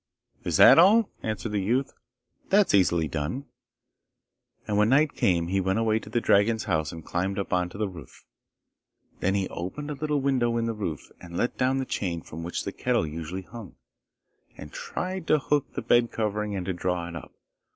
'Is that all?' answered the youth. 'That is easily done.' And when night came he went away to the dragon's house and climbed up on to the roof. Then he opened a little window in the roof and let down the chain from which the kettle usually hung, and tried to hook the bed covering and to draw it up.